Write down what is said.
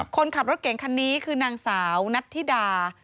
คนขับรถเก่งคันนี้คือนางสาวนัทธิดา